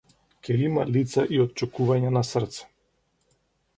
Ќе има лица и отчукувања на срце.